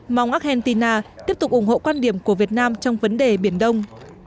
mong argentina tiếp tục ủng hộ quan điểm của việt nam trong vấn đề biển đông